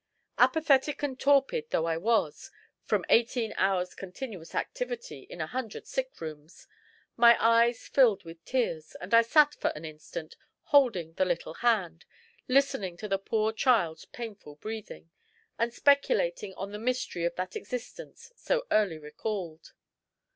Apathetic and torpid though I was, from eighteen hours' continuous activity in a hundred sickrooms, my eyes filled with tears, and I sat for an instant, holding the little hand, listening to the poor child's painful breathing, and speculating on the mystery of that existence so early recalled.